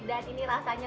dan ini rasanya